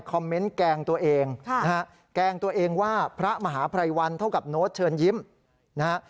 เมนต์แกล้งตัวเองนะฮะแกล้งตัวเองว่าพระมหาภัยวันเท่ากับโน้ตเชิญยิ้มนะฮะ